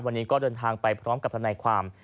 วันนี้ก็เดินทางไปพร้อมกับทนายความ